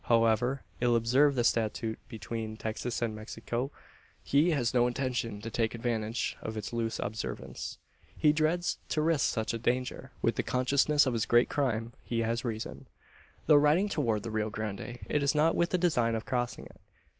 However ill observed the statute between Texas and Mexico, he has no intention to take advantage of its loose observance. He dreads to risk such a danger. With the consciousness of his great crime, he has reason. Though riding toward the Rio Grande, it is not with the design of crossing it.